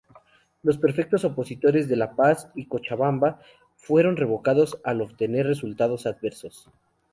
Los prefectos opositores de La Paz y Cochabamba fueron revocados al obtener resultados adversos.